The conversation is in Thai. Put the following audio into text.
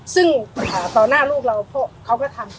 ซึ่งต่อหน้าลูกเราพวกเขาก็ทำ